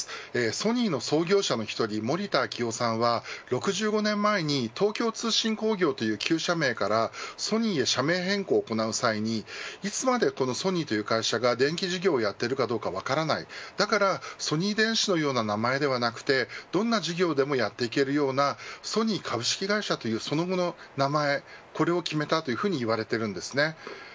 ソニーの創業者の１人盛田昭夫さんは６５年前に東京通信工業という旧社名からソニーへ社名変更を行う際にいつまでこのソニーという会社が電気事業をやってるかどうか分からないだからソニー電子のような名前ではなくどんな事業でもやっていけるようなソニー株式会社というその後の名前を決めたというふうにいわれているんですね。